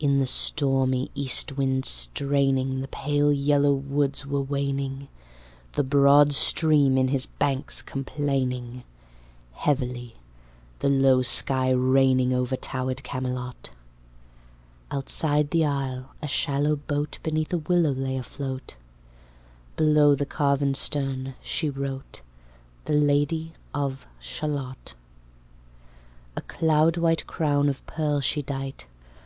In the stormy eastwind straining The pale yellow woods were waning, The broad stream in his banks complaining, Heavily the low sky raining Over towered Camelot: Outside the isle a shallow boat Beneath a willow lay afloat, Below the carven stern she wrote, THE LADY OF SHALOTT. A cloudwhite crown of pearl she dight.